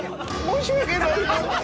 申し訳ない。